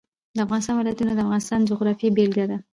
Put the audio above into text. د افغانستان ولايتونه د افغانستان د جغرافیې بېلګه ده.